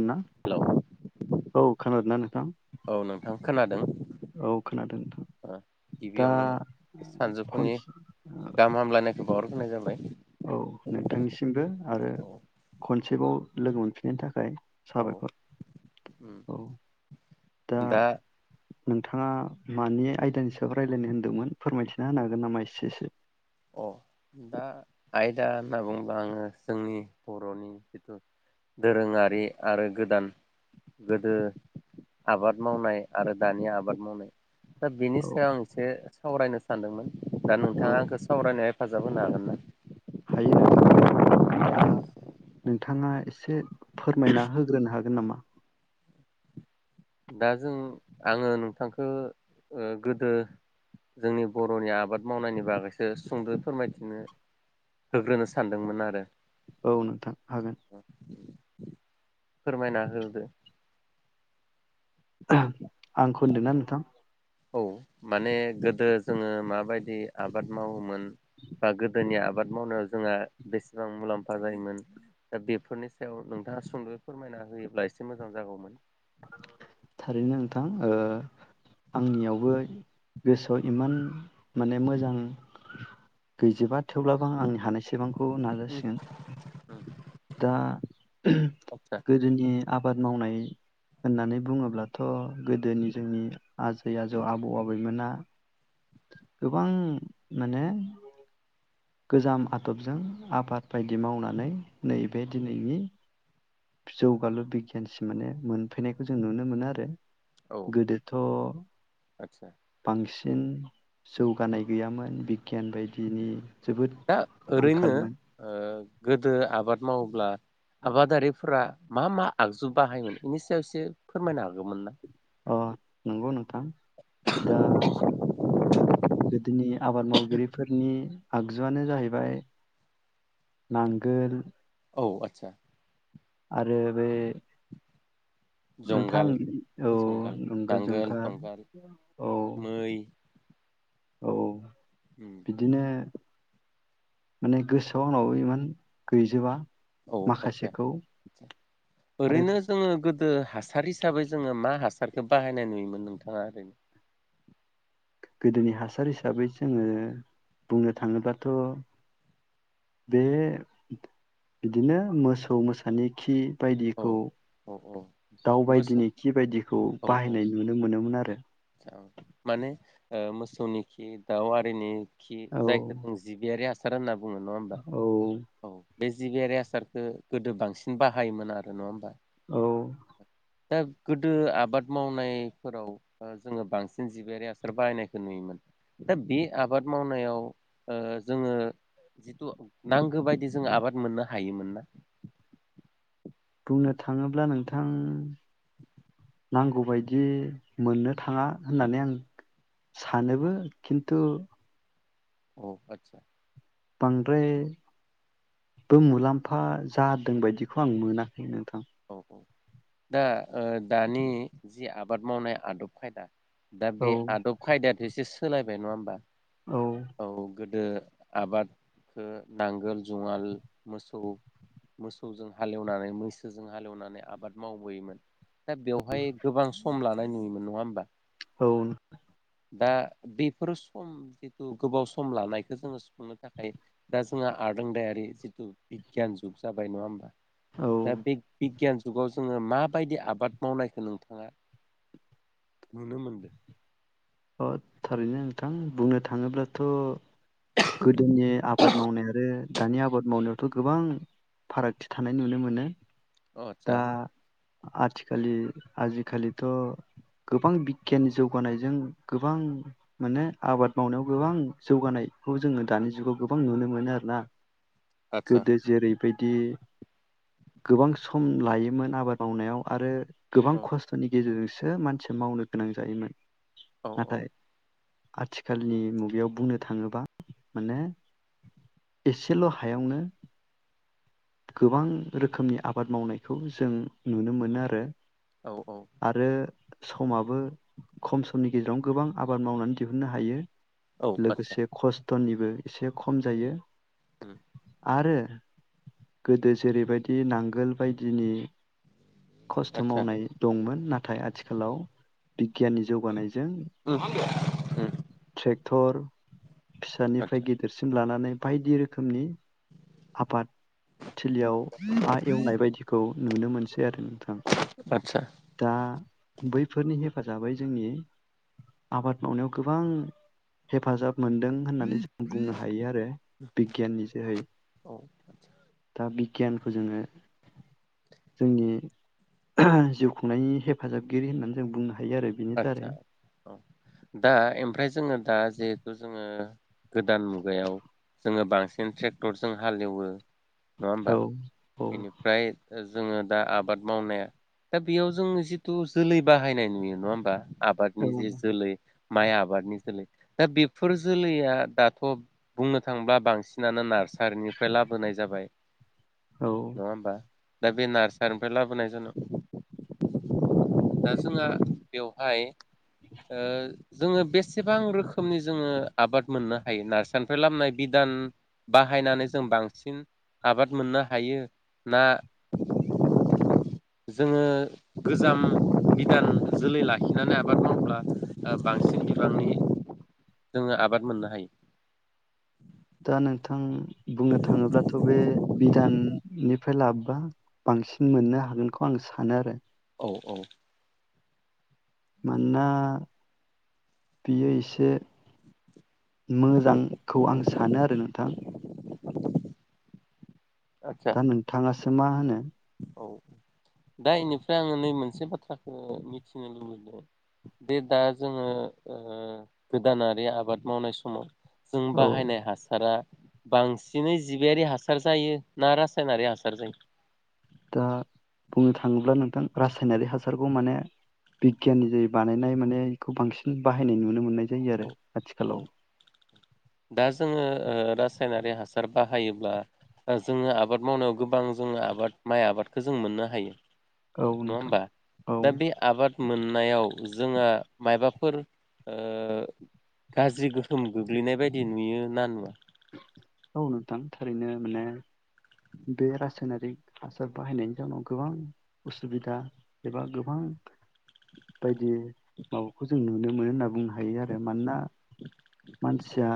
ना हेलौ औ खोनादोंना नोंथां? औ नोंथां खोनादों औ खोनादों नोंथां ओ दा गिबियावनो सानजौफुनि खनसे गाहाम हामलायनायखौ [unintelligible] जाबाय औ नोंथांनिसिमबो आरो औ खनसेबाव लोगो मोनफिननायनि थाखाय औ साबायखर उम औ दा नोंथाङा मानि आयदानि सायाव रायज्लायनो होनदोंमो नफोरमायथिना होनो हागोन नामा एसे एसे? अ दा आयदा होनना बुंङोब्ला आङो जोंनि बर'नि जिथु दोरोङारि आरो गोदान गोदो आबाद मावनाय आरो दानि आबाद मावनाय दा बेनि औ सायाव आं एसे सावरायनो सानदोंमोन। दा औ नोंथाङा गोसो हेफाजाब होनो हागोन ना? हायो नोंथां। [unintelligible] नोंथाङा एसे फोरमायना होग्रोनो हागोन नामा? दा जों आङो नोंथांखौ गोदो जोंनि बर'नि आबाद मावनायनि बागैसो सुंद'यै फोरमायथिनो होग्रोनो सानदोंमोन आरो औ नोंथां हागोन। फोरमायना होदो। आंखौ होनदों ना नोंथां? औ माने गोदो जोङो माबायदि आबाद मावोमोन बा गोदोनि आबाद आबाद मावनायाव जोंहा बेसेबां मुलाम्फा जायोमोन दा बेफोरनि सायाव नोंथाङा सुंद'यै फोरमायना होयोब्ला एसे मोजां जागौमोन। थारैनो नोंथां आंनियावबो गोसोआव इमान माने मोजां गैजोबा थेवब्लाबो आं आंनि हानायसेबांखौ नाजासिगोन। दा आदसा गोदोनि आ आबाद मावनाय होननानै बुङोब्लाथ' गोदोनि जोंनि आजै आजौ आबौ आबैमोना गोबां माने गोजाम आदबजों आबाद बायदि मावनानै नैबे दिनैनि जौगालु बिगियानसिम माने मोनफैनायखौ जों नुनो मोनो आरो गोदोथ' आतसा बांसिन जौगानाय गैयामोन बिगियान बायदिनि जोबोद दा ओरैनो आंखालमोन गोदो आबाद माव ब्ला आबादारिफोरा मा मा आगजु बाहायोमोन? बेनि सायाव एसे फोरमायनो हागौमोन ना? अ नंगौ नों थां गोदोनि आबाद मावगिरिफोरनि आगजुआनो जाहैबाय नांगोल, औ आदसा। आरो बे नोंथां जंगाल औ जंगाल नंगो नांगोल जुंखार जंगाल औ। मै औ। उम बिदिनो माने गोसोआव आंनावबो इमान गैजोबा। औ आस्सा माखासेखौ आरो ओरैनो जोङो गोदो हासार हिसाबै जोङो मा हासारखो बाहायनाय नुयोमोन नोंथां? मारै? गोदोनि हासार हिसाबै जोङो बुंनो थाङोब्लाथ' बे बिदिनो मोसौ मोसानि खि। औ बायदिखौ औ औ मोसौ दाउबायदिनि खि बायदिखौ औ औ बाहायनाय नुनो मोनोमोन आरो। माने ओ मोसौनि खि दाउ आरिनि खि औ जायखौ जों जिबियारि हा सार होनना बुङो नङा होमबा औ औ। बे जिबियारि हासारखो गोदो बांसिन बाहायोमोन आरो नङा होमबा? औ। दा गोदो आबाद मावनायफोराव ओ जोङो बांसिन जिबियारि हासार बाहायनायखौ नुयोमोन दा बे आबाद मावनायाव ओ जोङो जितु नांगो बायदि जोङो आबाद मोननो हायोमोन ना? बुंनो थाङोब्ला नोंथां नांगौबायदि मोननो थाङा होननानै आं सानोबो खिन्थु औ आदसा। बांद्राय बो मुलाम्फा जादों बायदिखौ आं मोना। नोंथां। औ दा ओ दानि जि आबाद मावनाय आदब खायदा दा औ बे आदब खायदायाथ' एसे सो सोलायबाय नङा होमबा? औ। गोदो आबादखो नांगोल जुङाल मोसौ मोसौजों हालेवनानै जों हालेवनानै आबाद मावबोयोमोन दा बेवहाय गोबां सम लानाय नुयोमोन नङा होमबा? औ दा बेफोरो सम जिथु गोबाव सम लानायखो जोङो [unintelligible] थाखाय दा जोंहा आरोंदायारि जिथु बिगियान जुग जाबाय नङा होमबा? औ दा बे बिगियान जुगाव जोङो माबायदि आबाद मावनायखौ नोंथाङा नुनो मोनदों? अ थारैनो नोंथां बुंनो थाङोब्लाथ' गोदोनि आबाद मावनाय आरो दानि आबाद मावनायावथ' गोबां फारागथि थानाय नुनो मोनो। अ आतसा। दा आथिखालि आजिखालिथ' गोबां बिगियाननि जौगानायजों। गोबां माने आबाद मावनायाव गोबां जौगानायखौ जोङो दानि जुगाव गोबां नुनो मोनो आरो ना। आदसा गोदो जेरै बिदि गोबां सम लायोमोन आबाद मावनायाव आरो। गोबां औ खस्थ'नि गेजेरजों। सो मानसि मावनो गोनां जायोमोन। औ औ। नाथाय आथिखालनि मुगायाव बुंनो थाङोबा माने एसेल' हायावनो गोबां रोखोमनि आबाद मावनायखौ जों नुनो मोनो आरो। औ औ आरो समाबो खम समनि गेजेरावनो गोबां आबाद मावनानै दिहुननो हायो। औ आदसा लोगोसे खस टननिबो एसे खम जायो। होम आरो गोदो जेरैबायदि नांगोल बायदिनि खस्थ' आदसा मावनाय दंमोन। नाथाय आथिखालाव बिगियाननि जौगानायजों थ्रेक थर फिसानिफ्राय आदसा गेदेरसिम लानानै बायदि रोखोमनि हापाद याव हा एवनाय बायदिखौ खौ नुनो मोनसै [unintelligible] आरो नोंथां आदसा दा बैफोरनि हेफ हेफाजाबै जोंनि आबाद मावनायाव गोबां हेफाजाब मोन्दों होननानै जों बुंनो हायो आरो बिगियाननि जोहै। औ दा बिगियानखौ जोङो जोंनि जिउ खुंनायनि हेफाजाबगिरि होननानै जों बुंनो हा हायो आरो बिनि तारै। अ दा एमफ्राय जोङो दा जेहेतु जोङो गोदान मुगायाव जोङो बांसिन थ्रेक्टरजों हालेवो। नङा होमबा औ औ बेनिफ्राय ओ जोङो दा आबाद मावनाया दा बेयाव जों जिथु जोलै बाहायनाय नुयो नङा होम बा आबादनि जे औ जोलै माइ आबादनि जोलै। दा बेफोर जोलैया दाथ' बुंनो थांब्ला बांसिनानो नार्सारिनिफ्राय लाबोनाय जाबाय। औ नङा होमबा? दा बे नार्सारिनिफ्राय लाबोनाय जाना दा जोंहा बेवहाय ओ जोङो बेसेबां रोखोमनि जोङो आबाद मोननो हायो नार्सारनिफ्राय लाबनाय बिदान बाहायनानै जों बांसिन आबाद मोननो हायो ना जोङो गोजाम बिदान जोलै लाखिनानै आबाद मावोब्ला ओ बांसिन बिबांनि जोङो आबाद मोननो हायो? दा नोंथां बुंनो थाङोब्लाथ' बे बि दाननिफ्राय लाबोबा बांसिन मोननो हागोनखौ आं सानो आरो। औ औ। मानोना बियो इसे मोजांखौ आं सानो आरो नोंथां। आदसा दा नोंथाङासो मा होनो? औ दा इनिफ्राय आङो नै मोनसे बाथ्राखौ मिथिनो लुबैदों बे दा जोङो ओ गोदानारि आबाद मावनाय समाव जों औ बाहायनाय हासारा बांसिनै जिबियारि हासार जायो ना रासायनारि हासार जायो? दा बुंनो थाङोब्ला नोंथां रासायनारि हासारखौ माने बिगियाननि जे बानायनाय माने बेखौ बांसिन बाहायनाय नुनो मोननाय जायो औ आरो औ आथिखालाव। दा जोङो ओ रासायनारि हासार बाहायोब्ला जोङो आबाद मावनायाव गोबां जोङो आबाद माइ आबादखौ जों मोननो हायो औ नङा नोंथां होमबा? औ दा बे आबाद मोननायाव जोंहा माबाफोर ओ गाज्रि गोहोम गोग्लैनाय बाय दि नुयो ना नुवा? औ नोंथां थारैनो माने बे रासायनारिक हासार बाहायनायनि जाउनाव गोबां उसुबिदा एबा गोबां बायदि माबाखौ जों नुनो मोनो होनना बुंनो हायो आरो मानोना मानसिया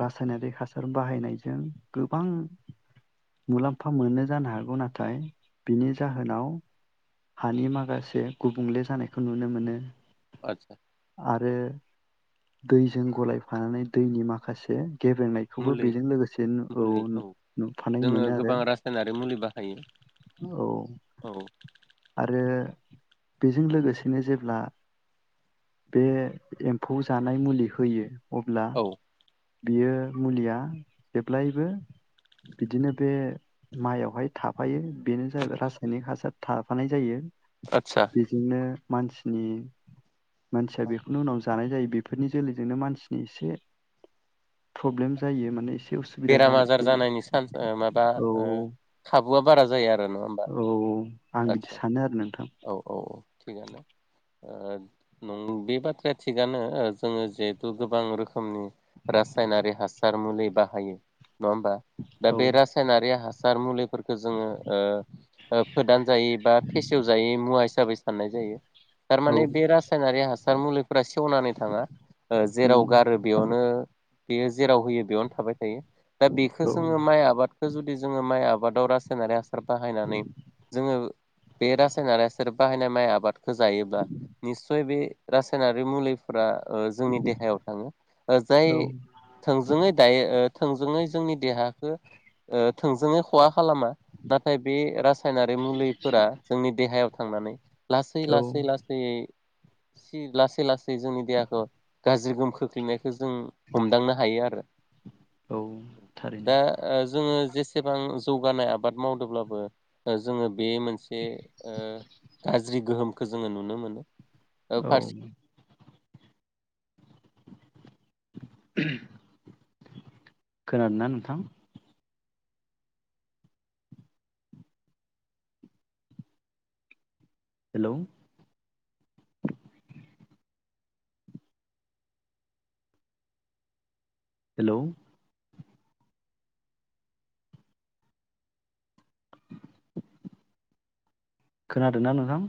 रासायनारि हासार बाहायनायजों गोबां मुलाम्फा मोनो जानो हागौ नाथाय बिनि जाहोनाव हानि माखासे गुबुंले जानायखौ नुनो मोनो आतसा। आरो दैजों गलायफानानै दैनि माखासे गेबेंनायखौबो मुलि बेजों लोगोसे औ मुलि नु औ नुफानाय जोङो मोनो आरो गोबां रासायनारि मुलि बाहायो औ। औ जे बेजों लोगोसेनो जेब्ला बे एम्फौ जानाय मुलि होयो अब्ला औ बियो मुलिया जेब्लायबो बिदिनो बे माइयावहाय थाफायो बेनो जाहैबाय रासायनिक हासार थाफानाय जायो। आदसा बेदिनो मानसिनि मानसिया बेखौनो उनाव जानाय जायो बेफोरनि जोलैजोंनो मानसिनि एसे प्रब्लेम जायो माने एसे उसुबिदा बेराम आजार जानायखौ जानायनि चान्स ओ माबा औ ओ खा बुया बारा जायो आ रो नङा होमबा औ आं बिदि आदसा सानो आरो नोंथां औ औ औ थिगानो। बे बाथ्राया थिगानो जोङो जिहेथु गोबां रोखोमनि रासायनारि हासा र मुलि बा हायो नङा होमबा दा औ बे रासायनारि हासार मुलिफोरखौ जोङो फोदान जायै बा फेसेवजायै मुवा हिसाबै फाननाय जायो औ थारमाने बे रासायनारि हासा र मुलिफोरा सेवनानै थाङा। जेराव उम गारो बेयावनो बेयो जेराव होयो बेयावनो थाबाय थायो दा बेखौ औ जोङो माइ आबादखौ जुदि जोङो माइ आबादाव रासायनारि हा सार बाहायनानै जोङो बे रासायनारि हासार बाहायनाय माइ आबाद होजायोब्ला निस्सय बे रासायनारि मुलिफोरा जोंनि देहायाव थाङो जाय औ थोंजोङै दायो ओ थोंजोङै जोंनि देहाखौ थोंजोङै खहा खालामा नाथाय बे रासायनारि मुलिफोरा जोंनि देहायाव थांनानै लासै औ लासै लासैयै लासै लासै जोंनि देहाखौ गाज्रि गोहोम खोख्लैनायखौ जों हमदांनो हायो आरो औ थारैनो दा जोङो जे सेबां जौगानाय आबाद मावदोंब्लाबो जोङो बे मोनसे गाज्रि गोहोमखौ जोङो नुनो मोनो औ फार खोनादों ना नोंथां हेल हेल खोनादोंना नोंथां